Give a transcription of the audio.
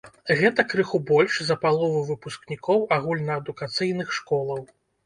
Гэта крыху больш за палову выпускнікоў агульнаадукацыйных школаў.